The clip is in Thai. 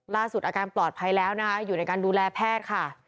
อาการปลอดภัยแล้วนะคะอยู่ในการดูแลแพทย์ค่ะ